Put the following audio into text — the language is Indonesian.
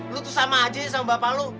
lo tuh sama aja sama bapak lo